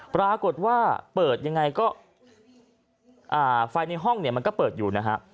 ปรากฏว่าเปิดยังไงก็ไฟในห้องเนี่ยมันก็เปิดอยู่นะฮะ